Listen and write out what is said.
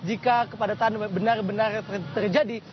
jika kepadatan benar benar terjadi